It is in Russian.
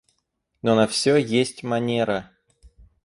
Но на всё есть манера.